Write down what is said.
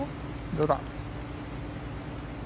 どうだ。